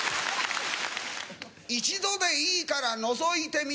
一度でいいからのぞいてみたい。